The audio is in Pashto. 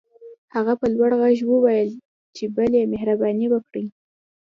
هغه په لوړ غږ وويل چې بلې مهرباني وکړئ.